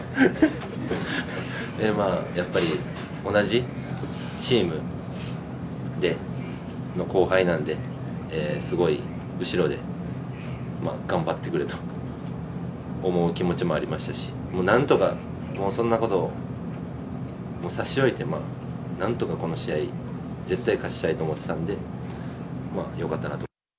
まあ、やっぱり、同じチームで、の、後輩なんで、すごい後ろで頑張ってくれと思う気持ちもありましたし、なんとかもうそんなこと差し置いても、なんとかこの試合、絶対勝ちたいと思ってたんで、まあ、よかったなと。